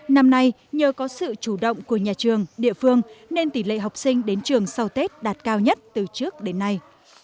năm nay nhờ có sự chủ động của nhà trường địa phương nên tỷ lệ học sinh đến trường sau tết đạt cao nhất từ trước đến nay